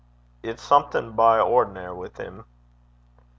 It's something by ordinar' wi' 'm.'